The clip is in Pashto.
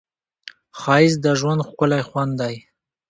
ښایست د ژوند ښکلی خوند دی